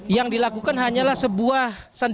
yang dilakukan hanyalah sebuah